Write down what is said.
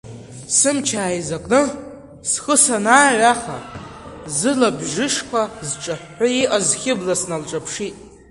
Сымч ааизакны схы санааҩаха, зылабжышқәа зҿаҳәҳәы иҟаз Хьыбла сналҿаԥшит.